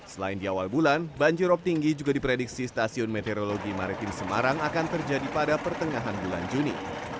selain di awal bulan banjirop tinggi juga diprediksi stasiun meteorologi maritim semarang akan terjadi pada pertengahan bulan juni